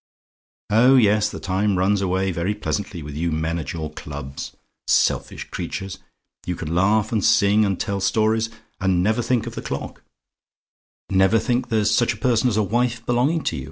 "Oh, yes! the time runs away very pleasantly with you men at your clubs selfish creatures! You can laugh and sing, and tell stories, and never think of the clock; never think there's such a person as a wife belonging to you.